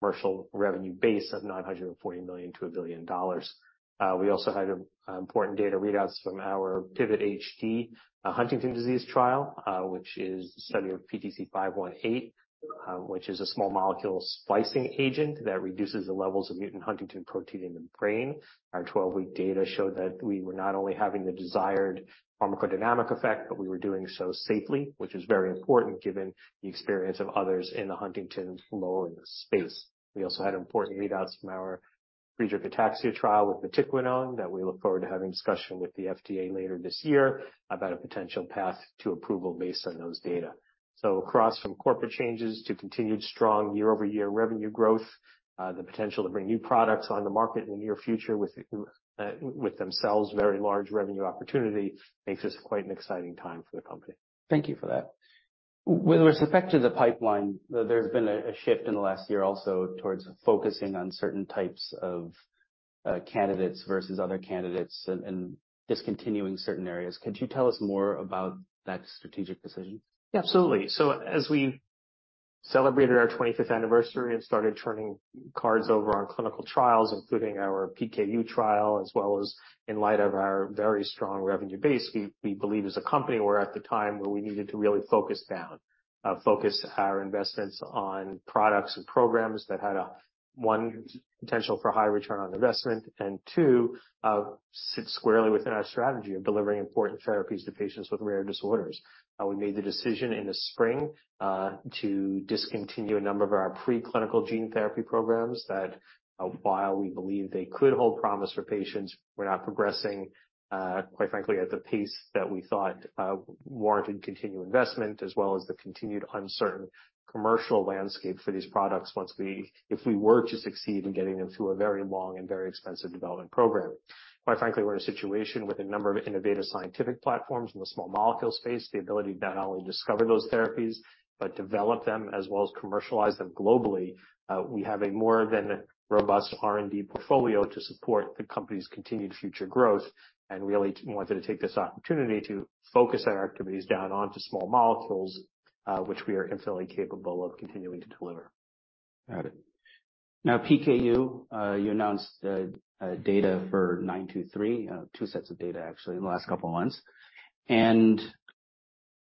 commercial revenue base of $940 million-$1 billion. We also had important data readouts from our PIVOT-HD, a Huntington's disease trial, which is the study of PTC-518, which is a small molecule splicing agent that reduces the levels of mutant huntingtin protein in the brain. Our 12-week data showed that we were not only having the desired pharmacodynamic effect, but we were doing so safely, which is very important given the experience of others in the Huntington's lowering space. We also had important readouts from our Friedreich's ataxia trial with vatiquinone that we look forward to having a discussion with the FDA later this year about a potential path to approval based on those data. So across from corporate changes to continued strong year-over-year revenue growth, the potential to bring new products on the market in the near future with, with themselves, very large revenue opportunity, makes this quite an exciting time for the company. Thank you for that. With respect to the pipeline, there's been a shift in the last year also towards focusing on certain types of candidates versus other candidates and discontinuing certain areas. Could you tell us more about that strategic decision? Yeah, absolutely. So as we celebrated our 25th anniversary and started turning cards over on clinical trials, including our PKU trial, as well as in light of our very strong revenue base, we believe as a company, we're at the time where we needed to really focus down. Focus our investments on products and programs that had one, potential for high return on investment, and two, sit squarely within our strategy of delivering important therapies to patients with rare disorders. We made the decision in the spring to discontinue a number of our preclinical gene therapy programs that, while we believe they could hold promise for patients, were not progressing, quite frankly, at the pace that we thought warranted continued investment, as well as the continued uncertain commercial landscape for these products once we, if we were to succeed in getting them through a very long and very expensive development program. Quite frankly, we're in a situation with a number of innovative scientific platforms in the small molecule space, the ability to not only discover those therapies, but develop them as well as commercialize them globally. We have a more than robust R&D portfolio to support the company's continued future growth, and we really wanted to take this opportunity to focus our activities down onto small molecules, which we are entirely capable of continuing to deliver. Got it. Now, PKU, you announced data for 923, two sets of data, actually, in the last couple of months. And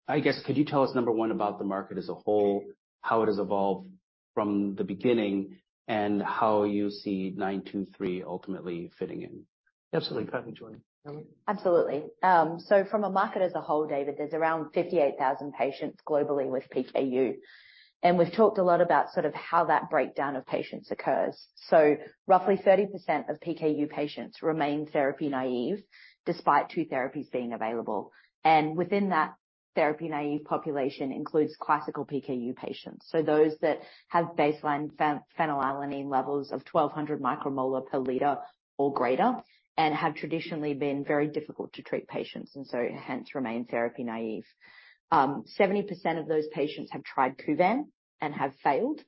I guess, could you tell us, number one, about the market as a whole, how it has evolved from the beginning, and how you see 923 ultimately fitting in? Absolutely. Happy to join. Absolutely. So from a market as a whole, David, there's around 58,000 patients globally with PKU. And we've talked a lot about sort of how that breakdown of patients occurs. So roughly 30% of PKU patients remain therapy naive, despite two therapies being available. And within that therapy-naive population includes classical PKU patients. So those that have baseline phenylalanine levels of 1,200 micromolar per liter or greater and have traditionally been very difficult to treat patients, and so hence remain therapy naive. 70% of those patients have tried Kuvan and have failed.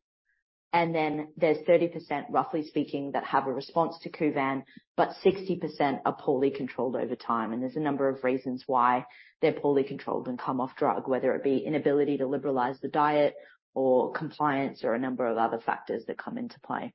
And then there's 30%, roughly speaking, that have a response to Kuvan, but 60% are poorly controlled over time, and there's a number of reasons why they're poorly controlled and come off drug, whether it be inability to liberalize the diet or compliance or a number of other factors that come into play.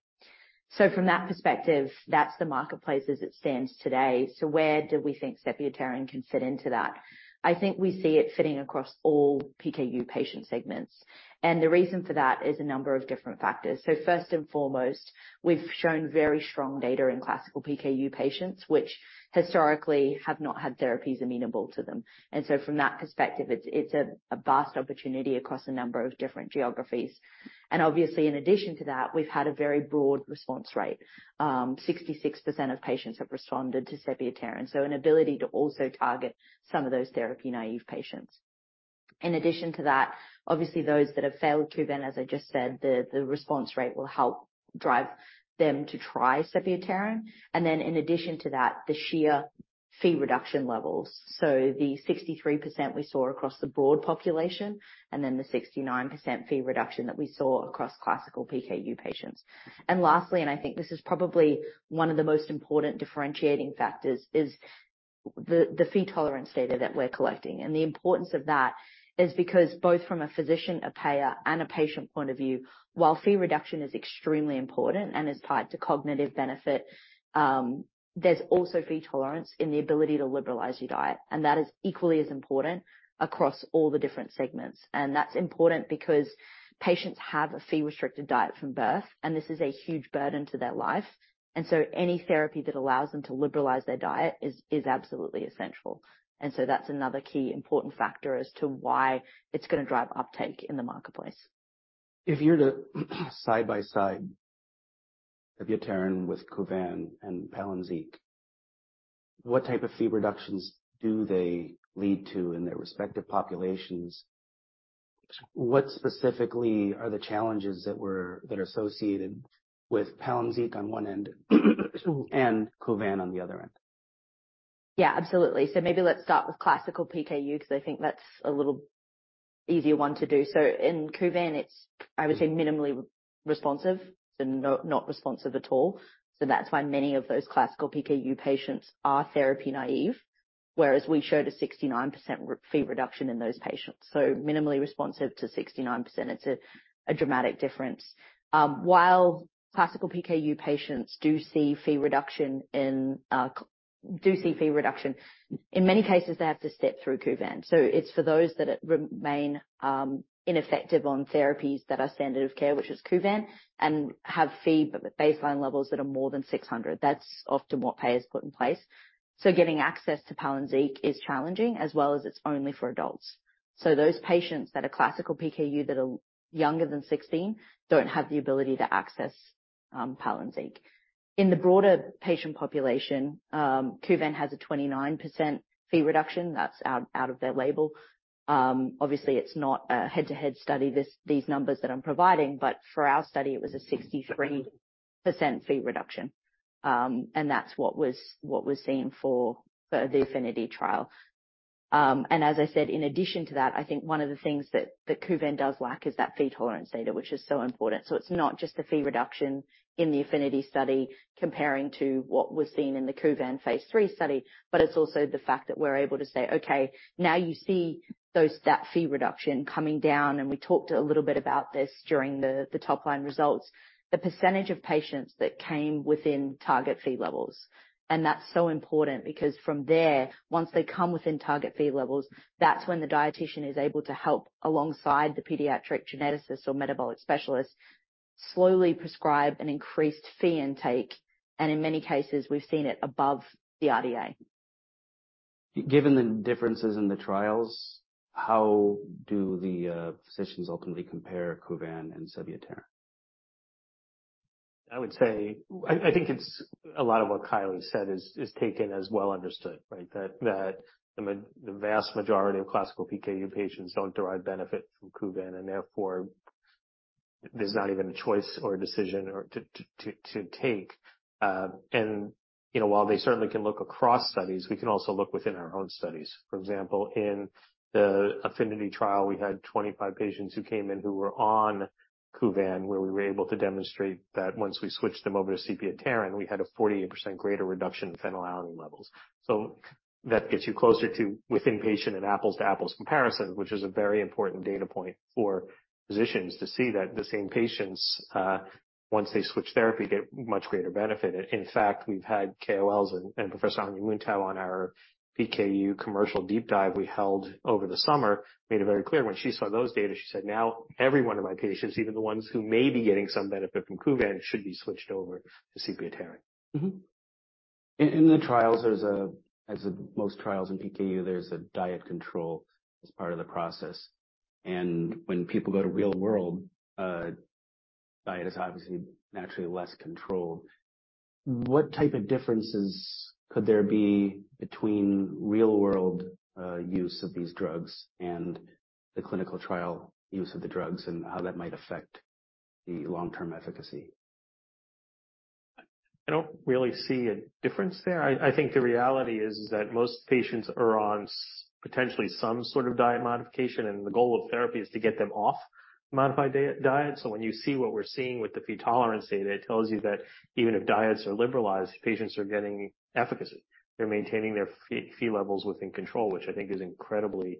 So from that perspective, that's the marketplace as it stands today. So where do we think sebetralstat can fit into that? I think we see it fitting across all PKU patient segments, and the reason for that is a number of different factors. So first and foremost, we've shown very strong data in classical PKU patients, which historically have not had therapies amenable to them. And so from that perspective, it's a vast opportunity across a number of different geographies. And obviously, in addition to that, we've had a very broad response rate. 66% of patients have responded to sebetralstat, so an ability to also target some of those therapy-naive patients. In addition to that, obviously, those that have failed Kuvan, as I just said, the response rate will help drive them to try sebetralstat. And then in addition to that, the sheer Phe reduction levels. So the 63% we saw across the broad population, and then the 69% Phe reduction that we saw across classical PKU patients. And lastly, and I think this is probably one of the most important differentiating factors, is the Phe tolerance data that we're collecting. The importance of that is because both from a physician, a payer, and a patient point of view, while Phe reduction is extremely important and is tied to cognitive benefit, there's also Phe tolerance in the ability to liberalize your diet, and that is equally as important across all the different segments. That's important because patients have a Phe-restricted diet from birth, and this is a huge burden to their life. So any therapy that allows them to liberalize their diet is, is absolutely essential. So that's another key important factor as to why it's going to drive uptake in the marketplace. If you're to side by side sebetralstat with Kuvan and Palynziq, what type of Phe reductions do they lead to in their respective populations? What specifically are the challenges that are associated with Palynziq on one end, and Kuvan on the other end? Yeah, absolutely. So maybe let's start with classical PKU, because I think that's a little easier one to do. So in Kuvan, it's, I would say, minimally responsive to not, not responsive at all. So that's why many of those classical PKU patients are therapy naive, whereas we showed a 69% Phe reduction in those patients. So minimally responsive to 69%, it's a dramatic difference. While classical PKU patients do see Phe reduction, in many cases, they have to step through Kuvan. So it's for those that remain ineffective on therapies that are standard of care, which is Kuvan, and have Phe baseline levels that are more than 600. That's often what PA is put in place. So getting access to Palynziq is challenging, as well as it's only for adults. So those patients that are classical PKU that are younger than 16 don't have the ability to access Palynziq. In the broader patient population, Kuvan has a 29% Phe reduction that's out of their label. Obviously, it's not a head-to-head study, these numbers that I'm providing, but for our study, it was a 63% Phe reduction. And that's what was seen for the AFFINITY trial. And as I said, in addition to that, I think one of the things that Kuvan does lack is that Phe tolerance data, which is so important. So it's not just the Phe reduction in the AFFINITY study comparing to what was seen in the Kuvan phase 3 study, but it's also the fact that we're able to say, "Okay, now you see those, that Phe reduction coming down," and we talked a little bit about this during the top-line results. The percentage of patients that came within target Phe levels, and that's so important because from there, once they come within target Phe levels, that's when the dietician is able to help alongside the pediatric geneticist or metabolic specialist, slowly prescribe an increased Phe intake, and in many cases, we've seen it above the RDA. Given the differences in the trials, how do the physicians ultimately compare Kuvan and sebetralstat? I would say I think it's a lot of what Kylie said is taken as well understood, right? That the vast majority of classical PKU patients don't derive benefit from Kuvan, and therefore, there's not even a choice or a decision or to take. And, you know, while they certainly can look across studies, we can also look within our own studies. For example, in the AFFINITY trial, we had 25 patients who came in who were on Kuvan, where we were able to demonstrate that once we switched them over to sebetralstat, we had a 48% greater reduction in phenylalanine levels. So that gets you closer to within-patient and apples-to-apples comparison, which is a very important data point for physicians to see that the same patients, once they switch therapy, get much greater benefit. In fact, we've had KOLs and Professor Anja Muntau on our PKU commercial deep dive we held over the summer, made it very clear when she saw those data, she said, "Now, every one of my patients, even the ones who may be getting some benefit from Kuvan, should be switched over to sebetralstat. Mm-hmm. In the trials, as in most trials in PKU, there's a diet control as part of the process. When people go to real world, diet is obviously naturally less controlled. What type of differences could there be between real-world use of these drugs and the clinical trial use of the drugs and how that might affect the long-term efficacy? I don't really see a difference there. I, I think the reality is that most patients are on potentially some sort of diet modification, and the goal of therapy is to get them off modified diet. So when you see what we're seeing with the Phe tolerance data, it tells you that even if diets are liberalized, patients are getting efficacy. They're maintaining their Phe levels within control, which I think is incredibly,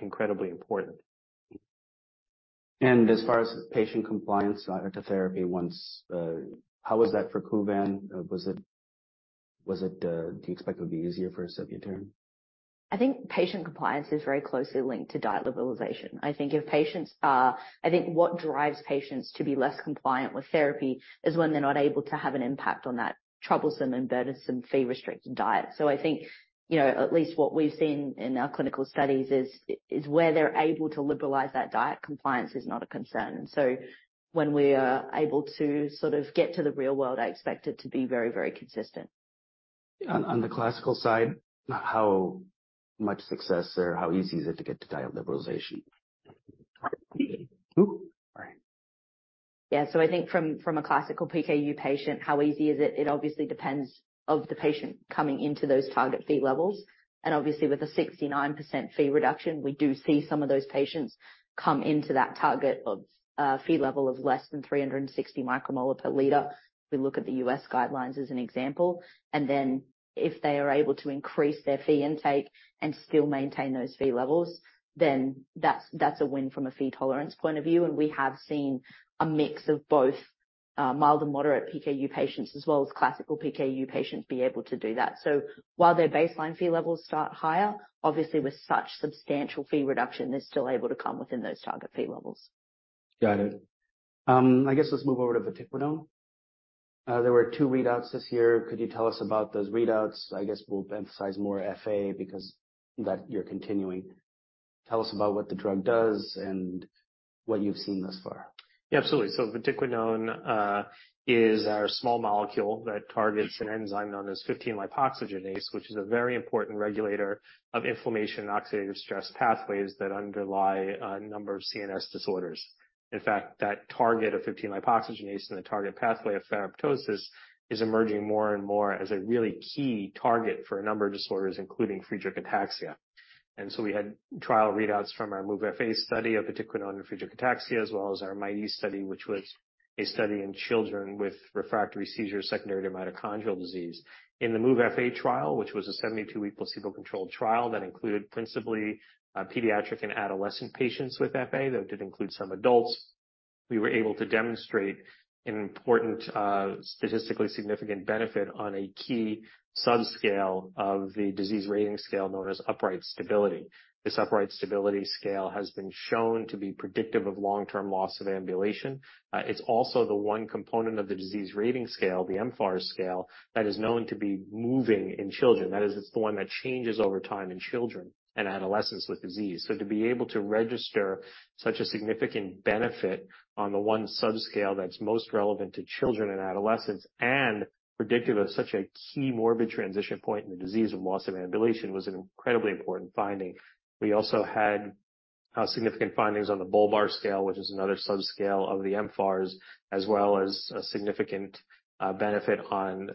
incredibly important. As far as patient compliance to therapy once, how was that for Kuvan? Was it, was it, do you expect it would be easier for sebetralstat? I think patient compliance is very closely linked to diet liberalization. I think what drives patients to be less compliant with therapy is when they're not able to have an impact on that troublesome and burdensome Phe-restricting diet. So I think, you know, at least what we've seen in our clinical studies is, is where they're able to liberalize that diet, compliance is not a concern. And so when we are able to sort of get to the real world, I expect it to be very, very consistent. On the classical side, how much success or how easy is it to get to diet liberalization? Right. Yeah. So I think from a classical PKU patient, how easy is it? It obviously depends on the patient coming into those target Phe levels. And obviously, with a 69% Phe reduction, we do see some of those patients come into that target of Phe level of less than 360 micromolar per liter. We look at the U.S. guidelines as an example, and then if they are able to increase their Phe intake and still maintain those Phe levels, then that's a win from a Phe tolerance point of view, and we have seen a mix of both mild and moderate PKU patients as well as classical PKU patients be able to do that. So while their baseline Phe levels start higher, obviously, with such substantial Phe reduction, they're still able to come within those target Phe levels. Got it. I guess let's move over to vatiquinone. There were two readouts this year. Could you tell us about those readouts? I guess we'll emphasize more FA because that you're continuing. Tell us about what the drug does and what you've seen thus far. Yeah, absolutely. So vatiquinone is our small molecule that targets an enzyme known as 15-lipoxygenase, which is a very important regulator of inflammation and oxidative stress pathways that underlie a number of CNS disorders. In fact, that target of 15-lipoxygenase and the target pathway of ferroptosis is emerging more and more as a really key target for a number of disorders, including Friedreich ataxia. And so we had trial readouts from our MOVE-FA study of vatiquinone and Friedreich ataxia, as well as our MIT-E study, which was a study in children with refractory seizures, secondary to mitochondrial disease. In the MOVE-FA trial, which was a 72-week placebo-controlled trial that included principally pediatric and adolescent patients with FA, though it did include some adults, we were able to demonstrate an important statistically significant benefit on a key subscale of the disease rating scale, known as upright stability. This upright stability scale has been shown to be predictive of long-term loss of ambulation. It's also the one component of the disease rating scale, the mFARS scale, that is known to be moving in children. That is, it's the one that changes over time in children and adolescents with disease. So to be able to register such a significant benefit on the one subscale that's most relevant to children and adolescents, and predictive of such a key morbid transition point in the disease and loss of ambulation, was an incredibly important finding. We also had significant findings on the Bulbar scale, which is another subscale of the mFARS, as well as a significant benefit on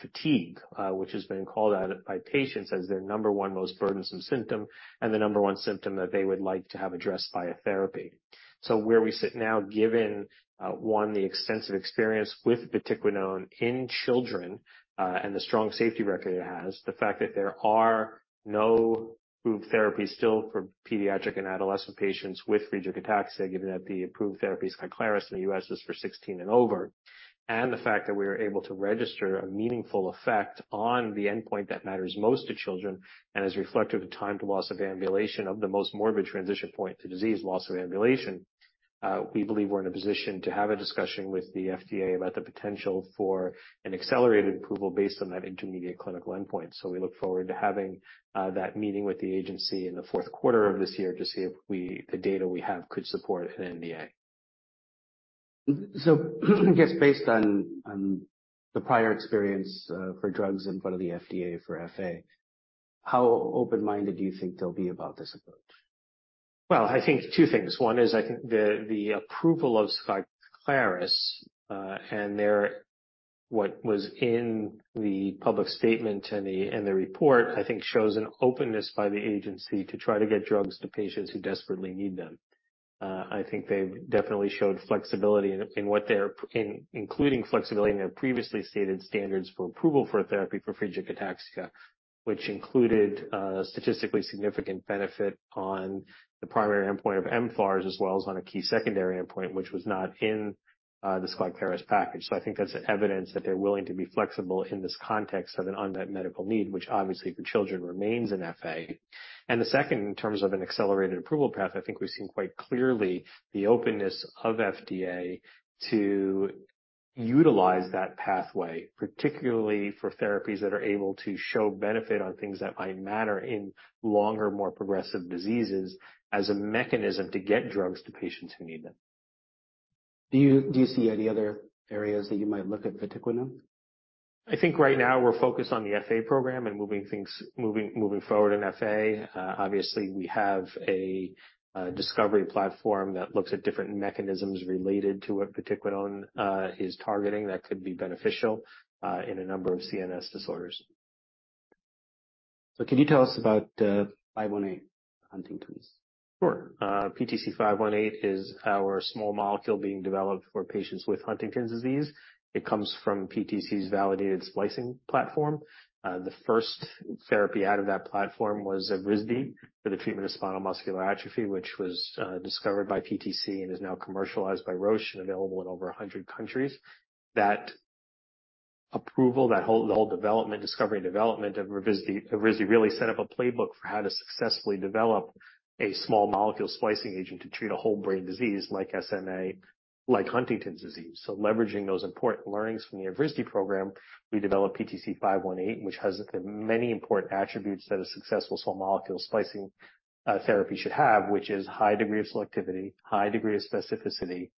fatigue, which has been called out by patients as their number one most burdensome symptom, and the number one symptom that they would like to have addressed by a therapy. So where we sit now, given one, the extensive experience with vatiquinone in children, and the strong safety record it has, the fact that there are no approved therapies still for pediatric and adolescent patients with Friedreich ataxia, given that the approved therapy, Skyclarys, in the U.S. is for 16 and over. The fact that we are able to register a meaningful effect on the endpoint that matters most to children, and is reflective of time to loss of ambulation of the most morbid transition point to disease, loss of ambulation. We believe we're in a position to have a discussion with the FDA about the potential for an accelerated approval based on that intermediate clinical endpoint. We look forward to having that meeting with the agency in the fourth quarter of this year to see if the data we have could support an NDA. I guess, based on the prior experience, for drugs in front of the FDA for FA, how open-minded do you think they'll be about this approach? Well, I think two things. One is, I think the approval of Skyclarys, and their. What was in the public statement and the report, I think, shows an openness by the agency to try to get drugs to patients who desperately need them. I think they've definitely showed flexibility in what they're including flexibility in their previously stated standards for approval for a therapy for Friedreich ataxia, which included statistically significant benefit on the primary endpoint of mFARS, as well as on a key secondary endpoint, which was not in the Skyclarys package. So I think that's evidence that they're willing to be flexible in this context of an unmet medical need, which obviously for children remains in FA. The second, in terms of an accelerated approval path, I think we've seen quite clearly the openness of FDA to utilize that pathway, particularly for therapies that are able to show benefit on things that might matter in longer, more progressive diseases, as a mechanism to get drugs to patients who need them. Do you, do you see any other areas that you might look at vatiquinone? I think right now we're focused on the FA program and moving things forward in FA. Obviously, we have a discovery platform that looks at different mechanisms related to what vatiquinone is targeting, that could be beneficial in a number of CNS disorders. Can you tell us about 518 Huntington's? Sure. PTC-518 is our small molecule being developed for patients with Huntington's disease. It comes from PTC's validated splicing platform. The first therapy out of that platform was Evrysdi for the treatment of spinal muscular atrophy, which was discovered by PTC and is now commercialized by Roche and available in over 100 countries. That approval, that whole, the whole development, discovery and development of Evrysdi, Evrysdi, really set up a playbook for how to successfully develop a small molecule splicing agent to treat a whole brain disease like SMA, like Huntington's disease. So leveraging those important learnings from the Evrysdi program, we developed PTC-518, which has the many important attributes that a successful small molecule splicing therapy should have, which is high degree of selectivity, high degree of specificity,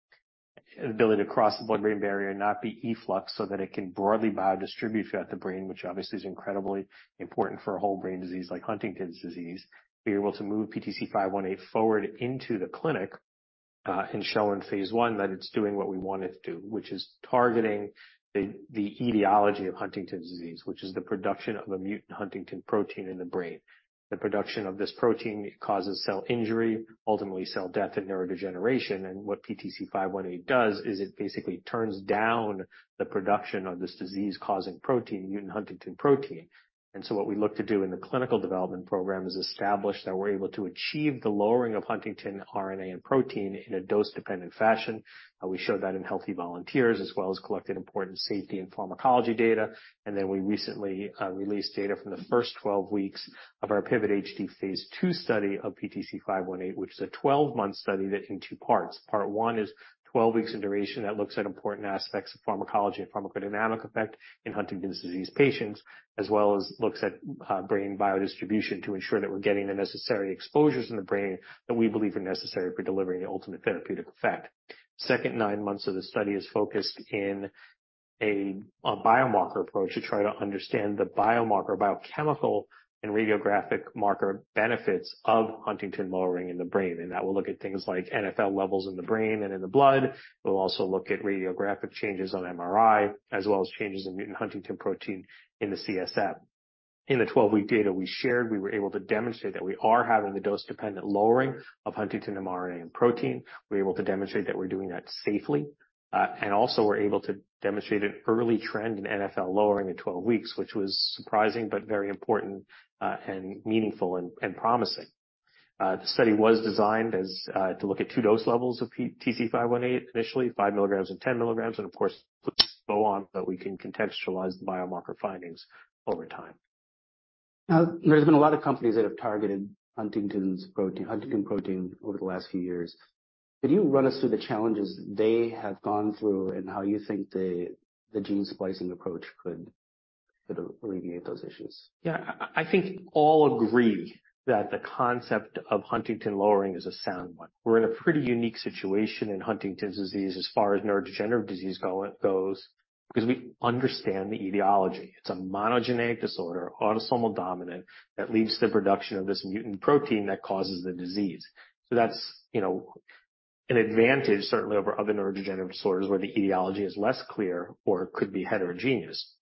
ability to cross the blood-brain barrier, and not be efflux so that it can broadly biodistribute throughout the brain, which obviously is incredibly important for a whole brain disease like Huntington's disease. To be able to move PTC-518 forward into the clinic, and show in phase 1 that it's doing what we want it to do, which is targeting the etiology of Huntington's disease, which is the production of a mutant Huntingtin protein in the brain. The production of this protein causes cell injury, ultimately cell death and neurodegeneration. What PTC-518 does is it basically turns down the production of this disease-causing protein, mutant Huntingtin protein. So what we look to do in the clinical development program is establish that we're able to achieve the lowering of Huntingtin RNA and protein in a dose-dependent fashion. We show that in healthy volunteers, as well as collected important safety and pharmacology data. And then we recently released data from the first 12 weeks of our PIVOT-HD phase 2 study of PTC-518, which is a 12-month study that in two parts. Part one is 12 weeks in duration that looks at important aspects of pharmacology and pharmacodynamic effect in Huntington's disease patients, as well as looks at brain biodistribution, to ensure that we're getting the necessary exposures in the brain that we believe are necessary for delivering the ultimate therapeutic effect. Second 9 months of the study is focused in a biomarker approach to try to understand the biomarker, biochemical and radiographic marker benefits of huntingtin lowering in the brain. And that will look at things like NfL levels in the brain and in the blood. We'll also look at radiographic changes on MRI, as well as changes in mutant huntingtin protein in the CSF. In the 12-week data we shared, we were able to demonstrate that we are having the dose-dependent lowering of huntingtin mRNA and protein. We're able to demonstrate that we're doing that safely. and also we're able to demonstrate an early trend in NfL lowering in 12 weeks, which was surprising but very important, and meaningful and, and promising. The study was designed as to look at two dose levels of PTC-518, initially, 5 milligrams and 10 milligrams, and of course, go on, but we can contextualize the biomarker findings over time. Now, there's been a lot of companies that have targeted Huntington's protein, Huntington protein over the last few years. Could you run us through the challenges they have gone through and how you think the, the gene splicing approach could, could alleviate those issues? Yeah, I think all agree that the concept of huntingtin lowering is a sound one. We're in a pretty unique situation in Huntington's disease as far as neurodegenerative disease go, goes, because we understand the etiology. It's a monogenic disorder, autosomal dominant, that leaves the production of this mutant protein that causes the disease. So that's, you know, an advantage, certainly over other neurodegenerative disorders, where the etiology is less clear or could be heterogeneous.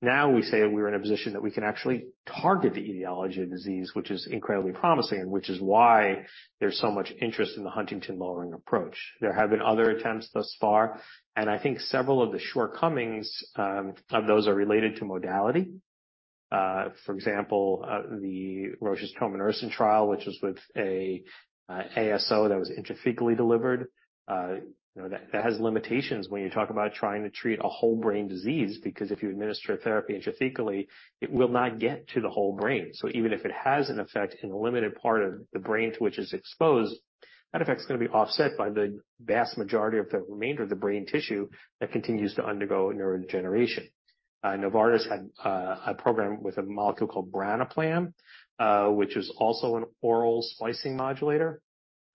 Now, we say we're in a position that we can actually target the etiology of the disease, which is incredibly promising and which is why there's so much interest in the huntingtin lowering approach. There have been other attempts thus far, and I think several of the shortcomings of those are related to modality. For example, the Roche's tominersen trial, which was with a ASO that was intrathecally delivered. You know, that has limitations when you talk about trying to treat a whole brain disease, because if you administer a therapy intrathecally, it will not get to the whole brain. So even if it has an effect in a limited part of the brain to which it's exposed, that effect is going to be offset by the vast majority of the remainder of the brain tissue that continues to undergo neurodegeneration. Novartis had a program with a molecule called branaplam, which is also an oral splicing modulator.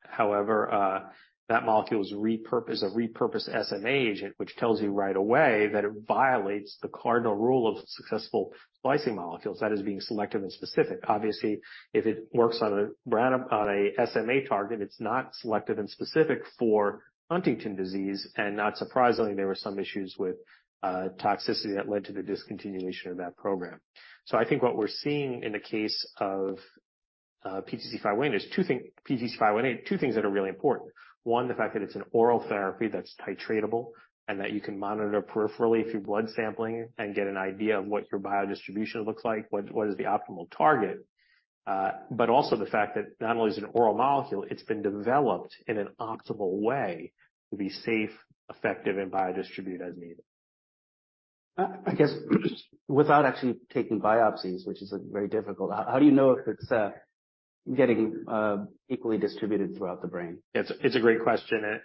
However, that molecule is a repurposed SMA agent, which tells you right away that it violates the cardinal rule of successful splicing molecules, that is, being selective and specific. Obviously, if it works on a branaplam on a SMA target, it's not selective and specific for Huntington's disease, and not surprisingly, there were some issues with toxicity that led to the discontinuation of that program. So I think what we're seeing in the case of PTC-518, there's two things... PTC-518, two things that are really important. One, the fact that it's an oral therapy that's titratable and that you can monitor peripherally through blood sampling and get an idea of what your biodistribution looks like, what is the optimal target, but also the fact that not only is it an oral molecule, it's been developed in an optimal way to be safe, effective, and biodistribute as needed. I guess without actually taking biopsies, which is very difficult, how do you know if it's getting equally distributed throughout the brain? It's a great question,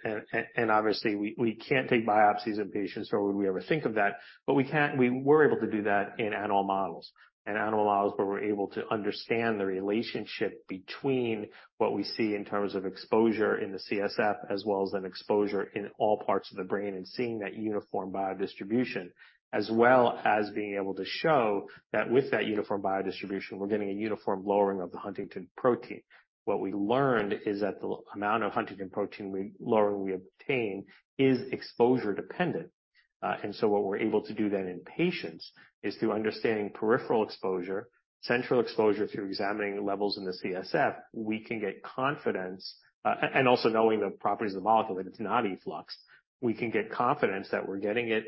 and obviously, we can't take biopsies in patients or would we ever think of that, but we can—we were able to do that in animal models. In animal models, where we're able to understand the relationship between what we see in terms of exposure in the CSF, as well as exposure in all parts of the brain, and seeing that uniform biodistribution, as well as being able to show that with that uniform biodistribution, we're getting a uniform lowering of the Huntingtin protein. What we learned is that the amount of Huntingtin protein lowering we obtain is exposure dependent. And so what we're able to do then in patients is through understanding peripheral exposure, central exposure, through examining levels in the CSF, we can get confidence, and also knowing the properties of the molecule, that it's not efflux. We can get confidence that we're getting it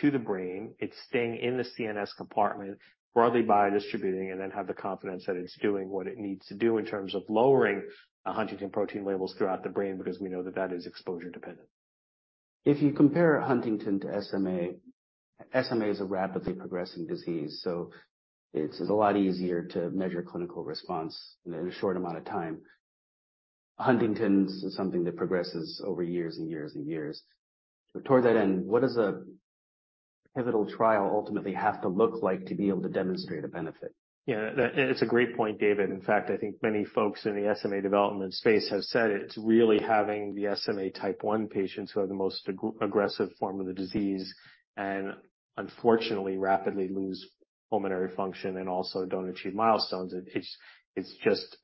to the brain, it's staying in the CNS compartment, broadly biodistributing, and then have the confidence that it's doing what it needs to do in terms of lowering Huntingtin protein levels throughout the brain, because we know that that is exposure dependent. If you compare Huntington's to SMA, SMA is a rapidly progressing disease, so it's a lot easier to measure clinical response in a short amount of time. Huntington's is something that progresses over years and years and years. Toward that end, what does a pivotal trial ultimately have to look like to be able to demonstrate a benefit? Yeah, that... It's a great point, David. In fact, I think many folks in the SMA development space have said it's really having the SMA type 1 patients who have the most aggressive form of the disease and unfortunately, rapidly lose pulmonary function and also don't achieve milestones. It's, it's just,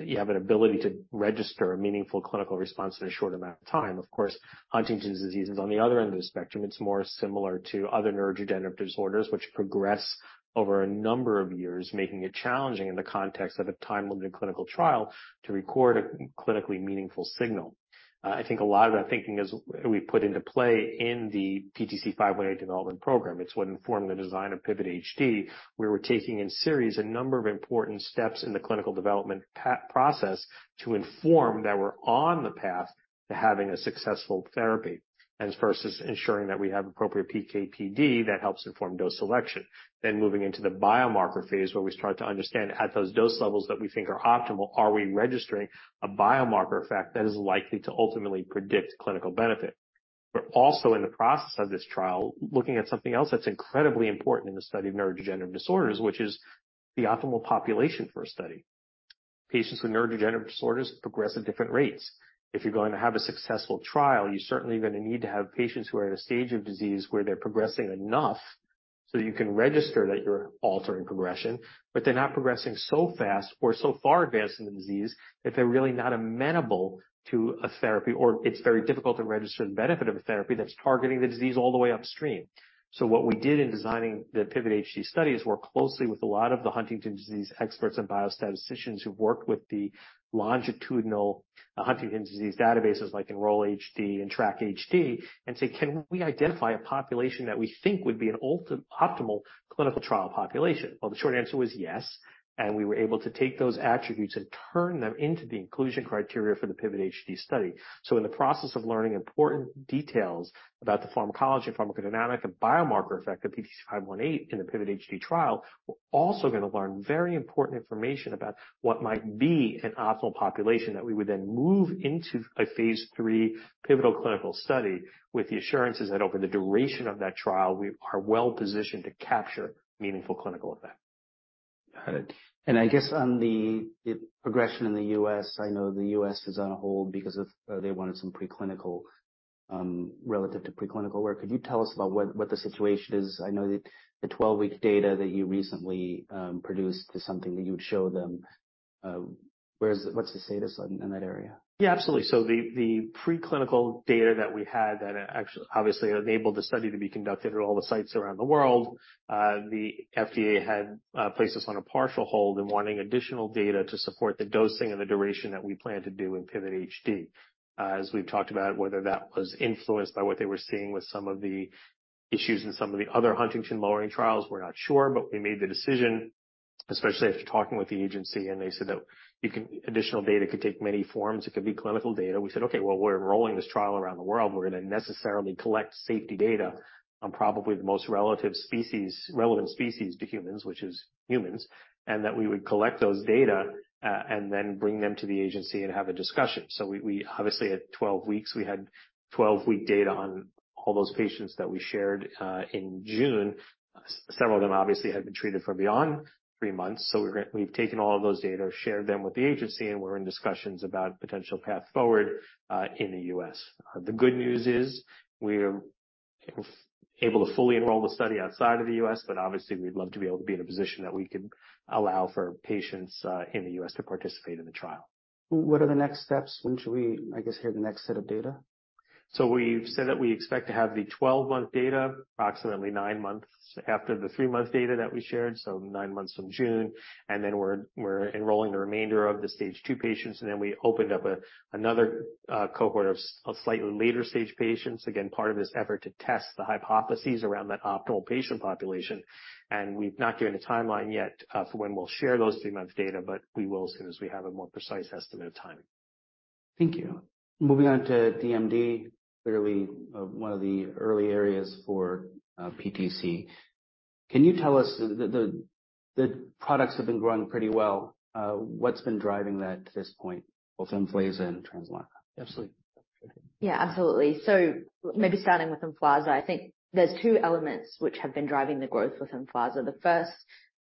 you have an ability to register a meaningful clinical response in a short amount of time. Of course, Huntington's disease is on the other end of the spectrum. It's more similar to other neurodegenerative disorders, which progress over a number of years, making it challenging in the context of a time-limited clinical trial to record a clinically meaningful signal. I think a lot of that thinking is we put into play in the PTC-518 development program. It's what informed the design of PIVOT-HD, where we're taking in series a number of important steps in the clinical development process to inform that we're on the path to having a successful therapy. First is ensuring that we have appropriate PK/PD that helps inform dose selection. Then moving into the biomarker phase, where we start to understand at those dose levels that we think are optimal, are we registering a biomarker effect that is likely to ultimately predict clinical benefit? But also in the process of this trial, looking at something else that's incredibly important in the study of neurodegenerative disorders, which is the optimal population for a study. Patients with neurodegenerative disorders progress at different rates. If you're going to have a successful trial, you're certainly going to need to have patients who are at a stage of disease where they're progressing enough... So you can register that you're altering progression, but they're not progressing so fast or so far advanced in the disease that they're really not amenable to a therapy, or it's very difficult to register the benefit of a therapy that's targeting the disease all the way upstream. So what we did in designing the PIVOT-HD study is work closely with a lot of the Huntington's disease experts and biostatisticians who've worked with the longitudinal Huntington's disease databases, like Enroll-HD and Track-HD, and say, Can we identify a population that we think would be an optimal clinical trial population? Well, the short answer was yes, and we were able to take those attributes and turn them into the inclusion criteria for the PIVOT-HD study. So in the process of learning important details about the pharmacology, pharmacodynamics, and biomarker effect of PTC-518 in the PIVOT-HD trial, we're also going to learn very important information about what might be an optimal population that we would then move into a phase 3 pivotal clinical study, with the assurances that over the duration of that trial, we are well positioned to capture meaningful clinical effect. Got it. And I guess on the progression in the US, I know the US is on a hold because they wanted some preclinical relative to preclinical work. Could you tell us about what the situation is? I know that the 12-week data that you recently produced is something that you would show them. What's the status in that area? Yeah, absolutely. So the preclinical data that we had, that actually obviously enabled the study to be conducted at all the sites around the world, the FDA had placed us on a partial hold and wanting additional data to support the dosing and the duration that we plan to do in PIVOT-HD. As we've talked about, whether that was influenced by what they were seeing with some of the issues in some of the other Huntington lowering trials, we're not sure, but we made the decision, especially after talking with the agency, and they said that you can - additional data could take many forms. It could be clinical data. We said: Okay, well, we're enrolling this trial around the world. We're going to necessarily collect safety data on probably the most relevant species to humans, which is humans, and that we would collect those data and then bring them to the agency and have a discussion. So we obviously, at 12 weeks, we had 12-week data on all those patients that we shared in June. Several of them obviously had been treated for beyond three months. So we've taken all those data, shared them with the agency, and we're in discussions about potential path forward in the U.S. The good news is, we're able to fully enroll the study outside of the U.S., but obviously, we'd love to be able to be in a position that we can allow for patients in the U.S. to participate in the trial. What are the next steps? When should we, I guess, hear the next set of data? So we've said that we expect to have the 12-month data approximately nine months after the three-month data that we shared, so nine months from June. And then we're enrolling the remainder of the Stage 2 patients, and then we opened up another cohort of slightly later-stage patients. Again, part of this effort to test the hypotheses around that optimal patient population, and we've not given a timeline yet for when we'll share those three-month data, but we will as soon as we have a more precise estimate of timing. Thank you. Moving on to DMD, clearly, one of the early areas for PTC. Can you tell us, the products have been growing pretty well. What's been driving that to this point, both Emflaza and Translarna? Absolutely. Yeah, absolutely. So maybe starting with Emflaza, I think there are two elements which have been driving the growth with Emflaza. The first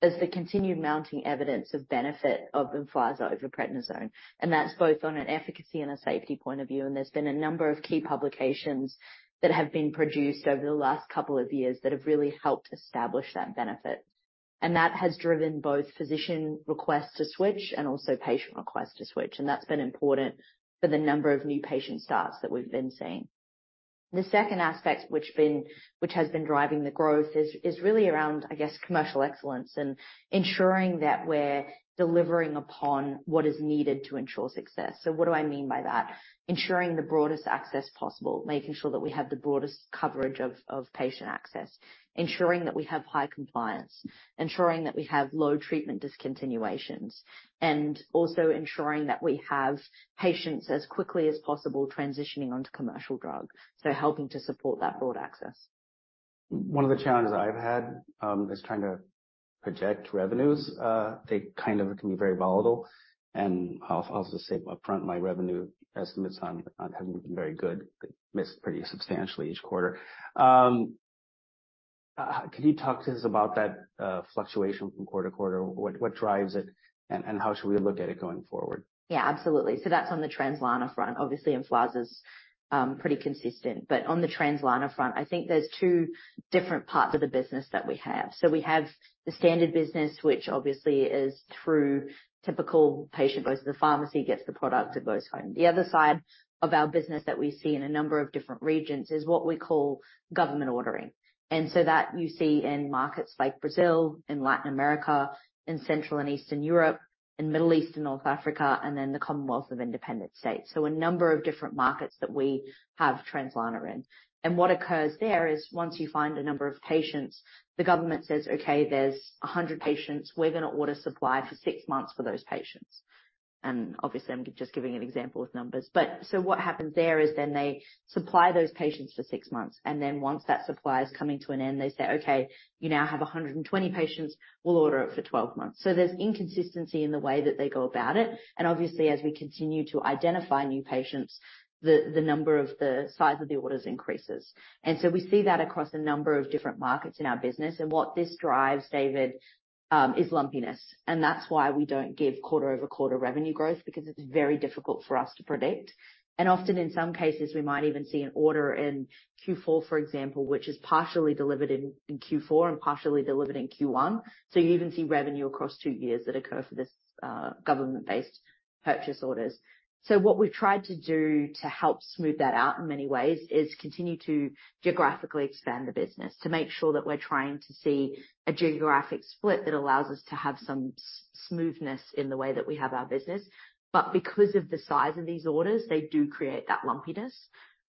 is the continued mounting evidence of benefit of Emflaza over prednisone, and that's both on an efficacy and a safety point of view. And there have been a number of key publications that have been produced over the last couple of years that have really helped establish that benefit. And that has driven both physician requests to switch and also patient requests to switch, and that's been important for the number of new patient starts that we've been seeing. The second aspect which has been driving the growth is really around, I guess, commercial excellence and ensuring that we're delivering upon what is needed to ensure success. So what do I mean by that? Ensuring the broadest access possible, making sure that we have the broadest coverage of patient access, ensuring that we have high compliance, ensuring that we have low treatment discontinuations, and also ensuring that we have patients as quickly as possible transitioning onto commercial drug. So helping to support that broad access. One of the challenges I've had is trying to project revenues. They kind of can be very volatile. I'll just say upfront, my revenue estimates on PTC haven't been very good. They miss pretty substantially each quarter. Can you talk to us about that fluctuation from quarter to quarter? What drives it, and how should we look at it going forward? Yeah, absolutely. So that's on the Translarna front. Obviously, Emflaza's pretty consistent, but on the Translarna front, I think there's two different parts of the business that we have. So we have the standard business, which obviously is through typical patient, goes to the pharmacy, gets the product, it goes home. The other side of our business that we see in a number of different regions is what we call government ordering. And so that you see in markets like Brazil, in Latin America, in Central and Eastern Europe, in Middle East and North Africa, and then the Commonwealth of Independent States, so a number of different markets that we have Translarna in. And what occurs there is once you find a number of patients, the government says: "Okay, there's 100 patients. We're going to order supply for six months for those patients."... Obviously, I'm just giving an example with numbers. But so what happens there is then they supply those patients for six months, and then once that supply is coming to an end, they say, "Okay, you now have 120 patients, we'll order it for 12 months." So there's inconsistency in the way that they go about it. And obviously, as we continue to identify new patients, the, the number of the size of the orders increases. And so we see that across a number of different markets in our business, and what this drives, David, is lumpiness. And that's why we don't give quarter-over-quarter revenue growth because it's very difficult for us to predict. And often, in some cases, we might even see an order in Q4, for example, which is partially delivered in Q4 and partially delivered in Q1. You even see revenue across two years that occur for this government-based purchase orders. What we've tried to do to help smooth that out in many ways is continue to geographically expand the business, to make sure that we're trying to see a geographic split that allows us to have some smoothness in the way that we have our business. But because of the size of these orders, they do create that lumpiness.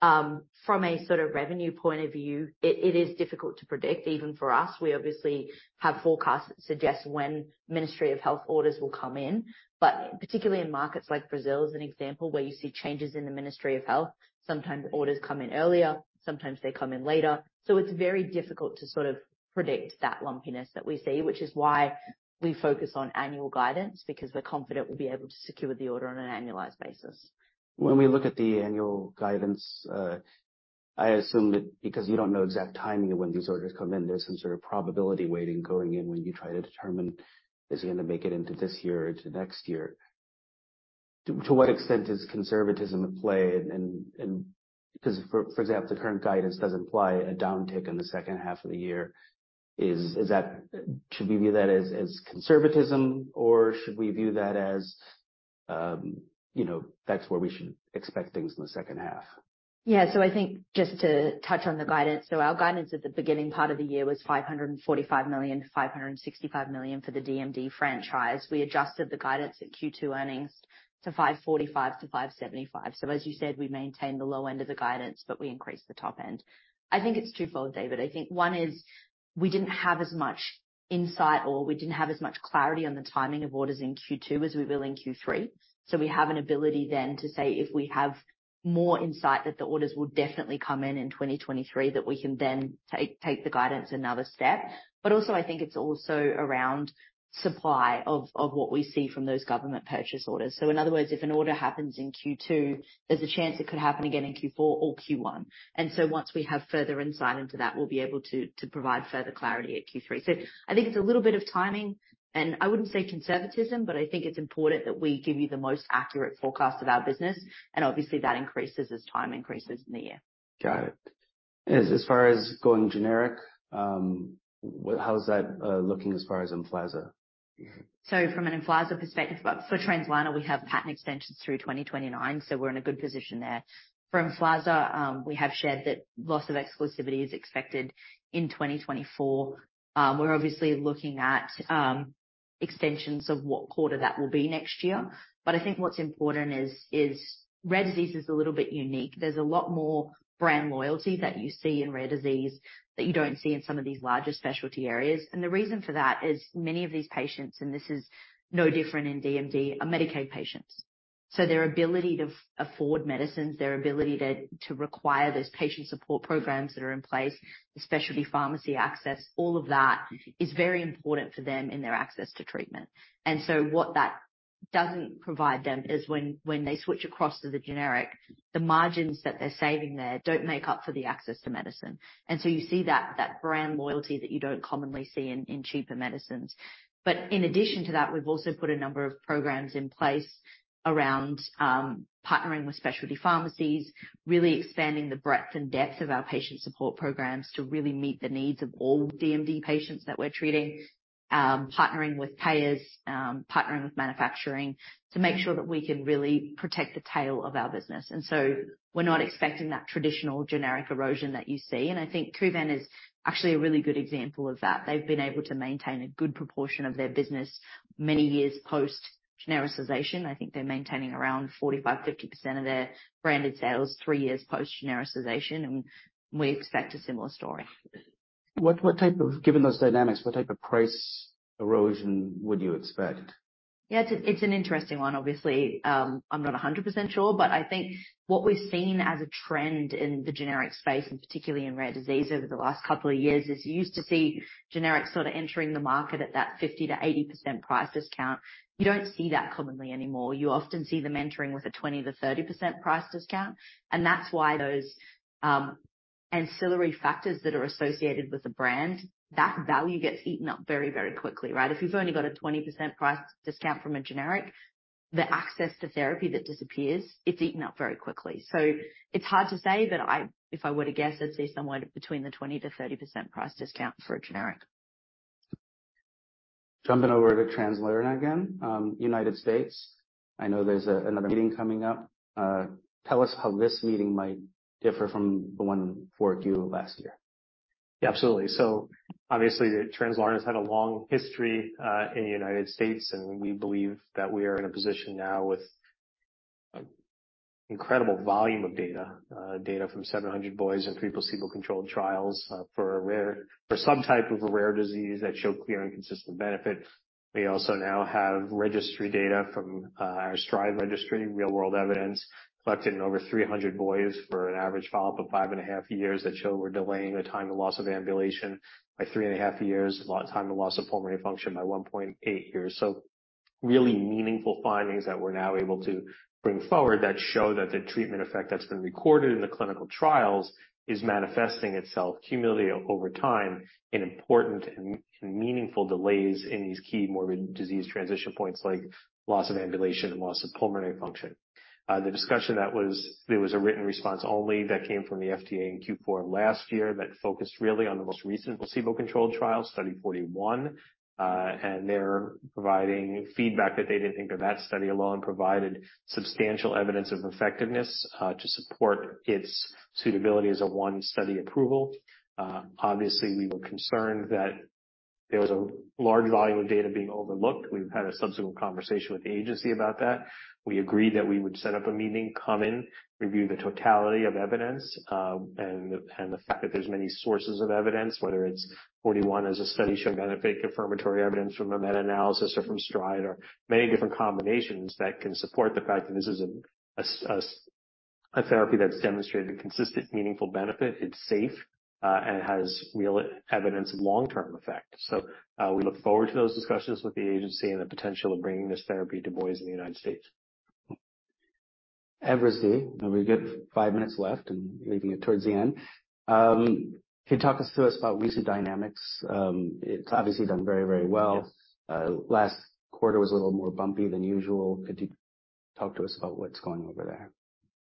From a sort of revenue point of view, it is difficult to predict, even for us. We obviously have forecasts that suggest when Ministry of Health orders will come in, but particularly in markets like Brazil, as an example, where you see changes in the Ministry of Health, sometimes orders come in earlier, sometimes they come in later. So it's very difficult to sort of predict that lumpiness that we see, which is why we focus on annual guidance, because we're confident we'll be able to secure the order on an annualized basis. When we look at the annual guidance, I assume that because you don't know the exact timing of when these orders come in, there's some sort of probability weighting going in when you try to determine, is it going to make it into this year or into next year? To what extent is conservatism at play? And because, for example, the current guidance does imply a downtick in the second half of the year. Is that? Should we view that as conservatism, or should we view that as, you know, that's where we should expect things in the second half? Yeah, so I think just to touch on the guidance. So our guidance at the beginning part of the year was $545 million-$565 million for the DMD franchise. We adjusted the guidance at Q2 earnings to $545-$575 million. So as you said, we maintained the low end of the guidance, but we increased the top end. I think it's twofold, David. I think one is we didn't have as much insight or we didn't have as much clarity on the timing of orders in Q2 as we will in Q3. So we have an ability then to say, if we have more insight, that the orders will definitely come in in 2023, that we can then take, take the guidance another step. But also, I think it's also around supply of what we see from those government purchase orders. So in other words, if an order happens in Q2, there's a chance it could happen again in Q4 or Q1. And so once we have further insight into that, we'll be able to provide further clarity at Q3. So I think it's a little bit of timing, and I wouldn't say conservatism, but I think it's important that we give you the most accurate forecast of our business, and obviously, that increases as time increases in the year. Got it. As far as going generic, how is that looking as far as Emflaza? So from an Emflaza perspective, but for Translarna, we have patent extensions through 2029, so we're in a good position there. For Emflaza, we have shared that loss of exclusivity is expected in 2024. We're obviously looking at extensions of what quarter that will be next year. But I think what's important is rare disease is a little bit unique. There's a lot more brand loyalty that you see in rare disease, that you don't see in some of these larger specialty areas. And the reason for that is many of these patients, and this is no different in DMD, are Medicaid patients. So their ability to afford medicines, their ability to require those patient support programs that are in place, the specialty pharmacy access, all of that is very important for them in their access to treatment. And so what that doesn't provide them is when they switch across to the generic, the margins that they're saving there don't make up for the access to medicine. And so you see that brand loyalty that you don't commonly see in cheaper medicines. But in addition to that, we've also put a number of programs in place around partnering with specialty pharmacies, really expanding the breadth and depth of our patient support programs to really meet the needs of all DMD patients that we're treating. Partnering with payers, partnering with manufacturing, to make sure that we can really protect the tail of our business. And so we're not expecting that traditional generic erosion that you see. And I think Kuvan is actually a really good example of that. They've been able to maintain a good proportion of their business many years post-genericization. I think they're maintaining around 45%-50% of their branded sales 3 years post-genericization, and we expect a similar story. What type of, given those dynamics, what type of price erosion would you expect? Yeah, it's an interesting one. Obviously, I'm not 100% sure, but I think what we've seen as a trend in the generic space, and particularly in rare disease over the last couple of years, is you used to see generics sort of entering the market at that 50%-80% price discount. You don't see that commonly anymore. You often see them entering with a 20%-30% price discount, and that's why those ancillary factors that are associated with the brand, that value gets eaten up very, very quickly, right? If you've only got a 20% price discount from a generic, the access to therapy that disappears, it's eaten up very quickly. So it's hard to say, but I—if I were to guess, I'd say somewhere between the 20%-30% price discount for a generic. Jumping over to Translarna again, United States, I know there's another meeting coming up. Tell us how this meeting might differ from the one for you last year. Absolutely. So obviously, Translarna's had a long history in the United States, and we believe that we are in a position now with incredible volume of data, data from 700 boys in three placebo-controlled trials, for some type of a rare disease that show clear and consistent benefit. We also now have registry data from our STRIDE registry, real-world evidence collected in over 300 boys for an average follow-up of five and a half years, that show we're delaying the time to loss of ambulation by three and a half years, a lot of time to loss of pulmonary function by 1.8 years. So really meaningful findings that we're now able to bring forward that show that the treatment effect that's been recorded in the clinical trials is manifesting itself cumulatively over time in important and meaningful delays in these key morbid disease transition points, like loss of ambulation and loss of pulmonary function. There was a written response only that came from the FDA in Q4 of last year that focused really on the most recent placebo-controlled trial, Study 041. They're providing feedback that they didn't think that that study alone provided substantial evidence of effectiveness to support its suitability as a one-study approval. Obviously, we were concerned that there was a large volume of data being overlooked. We've had a subsequent conversation with the agency about that. We agreed that we would set up a meeting, come in, review the totality of evidence, and the fact that there's many sources of evidence. Whether it's Study 041 as a study showing benefit, confirmatory evidence from a meta-analysis or from STRIDE, or many different combinations that can support the fact that this is a therapy that's demonstrated consistent, meaningful benefit, it's safe, and it has real evidence of long-term effect. So, we look forward to those discussions with the agency and the potential of bringing this therapy to boys in the United States. Evrysdi, and we got five minutes left and leaving it towards the end. Can you talk us through about recent dynamics? It's obviously done very, very well. Yes. Last quarter was a little more bumpy than usual. Could you talk to us about what's going over there?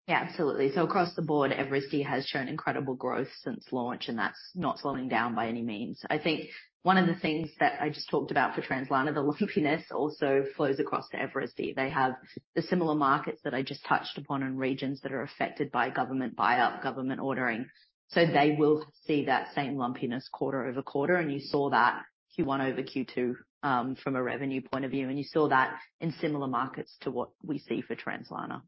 Yeah, absolutely. So across the board, Evrysdi has shown incredible growth since launch, and that's not slowing down by any means. I think one of the things that I just talked about for Translarna, the lumpiness also flows across to Evrysdi. They have the similar markets that I just touched upon in regions that are affected by government buyout, government ordering. So they will see that same lumpiness quarter over quarter, and you saw that Q1 over Q2, from a revenue point of view, and you saw that in similar markets to what we see for Translarna.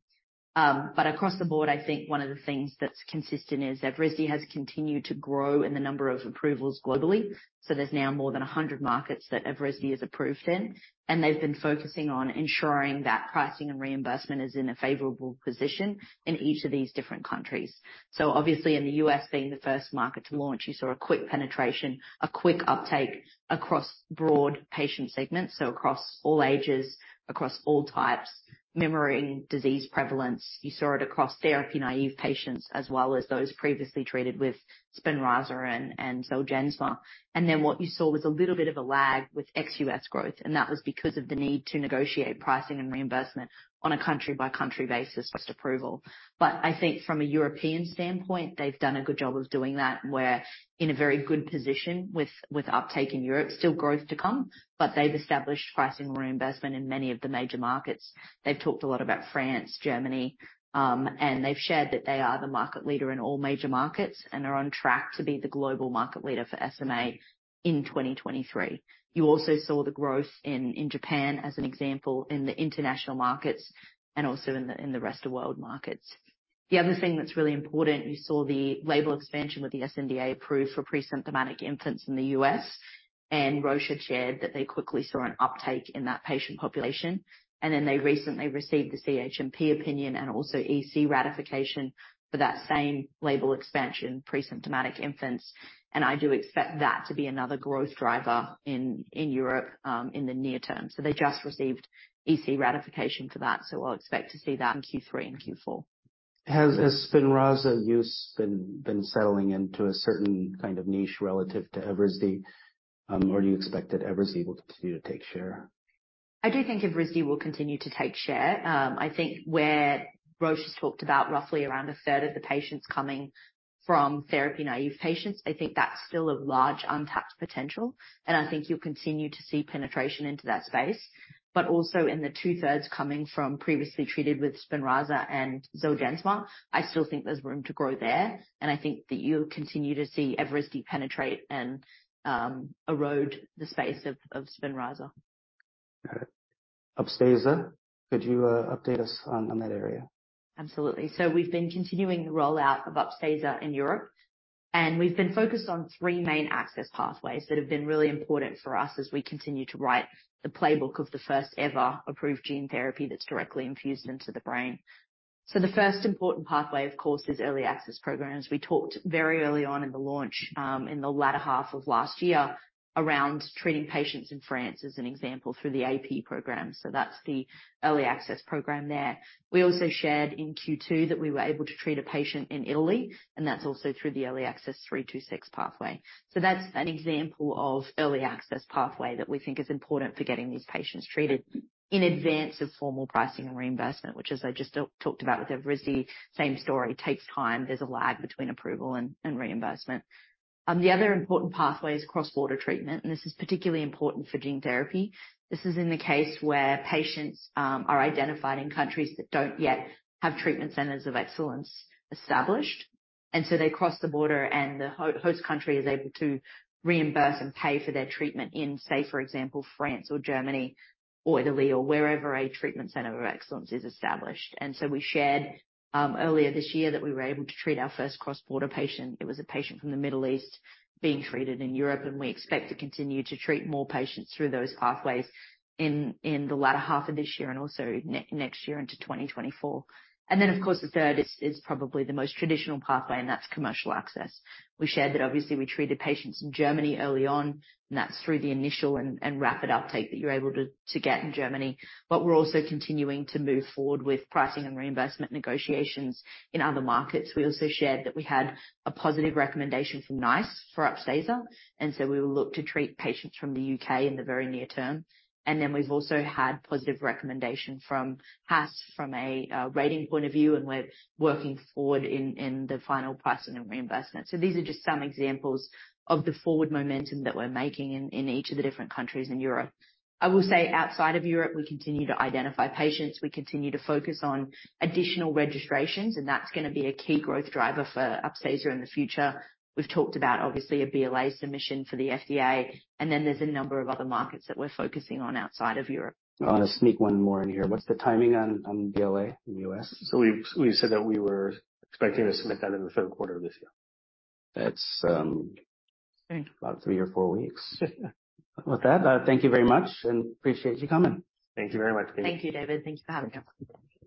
But across the board, I think one of the things that's consistent is Evrysdi has continued to grow in the number of approvals globally. So there's now more than 100 markets that Evrysdi is approved in, and they've been focusing on ensuring that pricing and reimbursement is in a favorable position in each of these different countries. So obviously, in the U.S. being the first market to launch, you saw a quick penetration, a quick uptake across broad patient segments. So across all ages, across all types, mirroring disease prevalence. You saw it across therapy-naive patients, as well as those previously treated with Spinraza and, and Zolgensma. And then what you saw was a little bit of a lag with ex-U.S. growth, and that was because of the need to negotiate pricing and reimbursement on a country-by-country basis, post-approval. But I think from a European standpoint, they've done a good job of doing that. We're in a very good position with, with uptake in Europe. Still growth to come, but they've established pricing reimbursement in many of the major markets. They've talked a lot about France, Germany, and they've shared that they are the market leader in all major markets and are on track to be the global market leader for SMA in 2023. You also saw the growth in Japan as an example, in the international markets and also in the rest of world markets. The other thing that's really important, you saw the label expansion with the sNDA approved for pre-symptomatic infants in the U.S., and Roche shared that they quickly saw an uptake in that patient population. Then they recently received the CHMP opinion and also EC ratification for that same label expansion, pre-symptomatic infants. I do expect that to be another growth driver in Europe in the near term. So they just received EC ratification for that, so I'll expect to see that in Q3 and Q4. Has Spinraza use been settling into a certain kind of niche relative to Evrysdi? Or do you expect that Evrysdi will continue to take share? I do think Evrysdi will continue to take share. I think where Roche has talked about roughly around a third of the patients coming from therapy-naive patients, I think that's still a large untapped potential, and I think you'll continue to see penetration into that space. But also in the two-thirds coming from previously treated with Spinraza and Zolgensma, I still think there's room to grow there, and I think that you'll continue to see Evrysdi penetrate and erode the space of Spinraza. Got it. Upstaza, could you update us on that area? Absolutely. So we've been continuing the rollout of Upstaza in Europe, and we've been focused on three main access pathways that have been really important for us as we continue to write the playbook of the first ever approved gene therapy that's directly infused into the brain. So the first important pathway, of course, is early access programs. We talked very early on in the launch, in the latter half of last year, around treating patients in France, as an example, through the AP program. So that's the early access program there. We also shared in Q2 that we were able to treat a patient in Italy, and that's also through the early access 326 pathway. So that's an example of early access pathway that we think is important for getting these patients treated in advance of formal pricing and reimbursement, which as I just talked about with Evrysdi, same story, takes time. There's a lag between approval and reimbursement. The other important pathway is cross-border treatment, and this is particularly important for gene therapy. This is in the case where patients are identified in countries that don't yet have treatment centers of excellence established. And so they cross the border, and the host country is able to reimburse and pay for their treatment in, say, for example, France or Germany or Italy or wherever a treatment center of excellence is established. And so we shared earlier this year that we were able to treat our first cross-border patient. It was a patient from the Middle East being treated in Europe, and we expect to continue to treat more patients through those pathways in the latter half of this year and also next year into 2024. And then, of course, the third is probably the most traditional pathway, and that's commercial access. We shared that obviously we treated patients in Germany early on, and that's through the initial and rapid uptake that you're able to get in Germany. But we're also continuing to move forward with pricing and reimbursement negotiations in other markets. We also shared that we had a positive recommendation from NICE for Upstaza, and so we will look to treat patients from the UK in the very near term. And then we've also had positive recommendation from HAS, from a rating point of view, and we're working forward in the final pricing and reimbursement. So these are just some examples of the forward momentum that we're making in each of the different countries in Europe. I will say outside of Europe, we continue to identify patients, we continue to focus on additional registrations, and that's gonna be a key growth driver for Upstaza in the future. We've talked about, obviously, a BLA submission for the FDA, and then there's a number of other markets that we're focusing on outside of Europe. I want to sneak one more in here. What's the timing on BLA in the US? We said that we were expecting to submit that in the third quarter of this year. That's about three or four weeks. With that, thank you very much, and appreciate you coming. Thank `very much. Thank you, David. Thank you for having us.